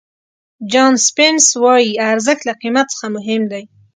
جان سپینس وایي ارزښت له قیمت څخه مهم دی.